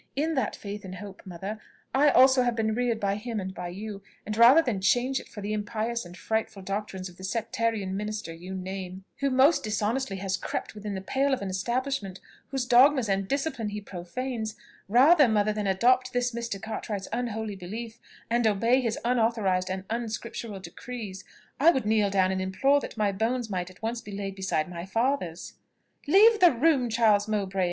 In that faith and hope, mother, I also have been reared by him and by you; and rather than change it for the impious and frightful doctrines of the sectarian minister you name, who most dishonestly has crept within the pale of an establishment whose dogmas and discipline he profanes, rather, mother, than adopt this Mr. Cartwright's unholy belief, and obey his unauthorised and unscriptural decrees, I would kneel down and implore that my bones might be at once laid beside my father's." "Leave the room, Charles Mowbray!"